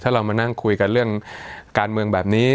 เรามานั่งคุยกันเรื่องการเมืองแบบนี้